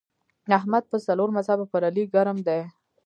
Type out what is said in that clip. احمد په څلور مذهبه پر علي ګرم دی.